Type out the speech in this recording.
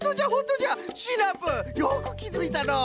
シナプーよくきづいたのう。